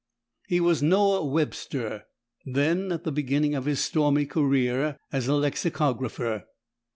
He was Noah Webster, then at the beginning of his stormy career as a lexicographer.